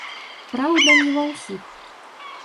Праўда, не ва ўсіх.